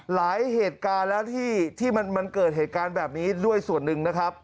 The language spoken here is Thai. หลายเหตุการณ์แล้วที่มันเกิดเหตุการณ์แบบนี้ด้วยส่วนหนึ่งนะครับ